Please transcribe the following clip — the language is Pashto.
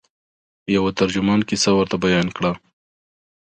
یوه ترجمان کیسه ورته بیان کړه.